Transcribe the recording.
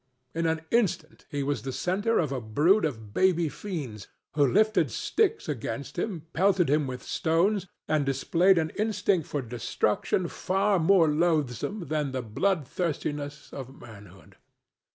In an instant he was the centre of a brood of baby fiends, who lifted sticks against him, pelted him with stones and displayed an instinct of destruction far more loathsome than the bloodthirstiness of manhood.